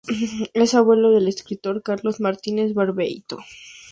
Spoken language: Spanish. Es abuelo del escritor Carlos Martínez-Barbeito.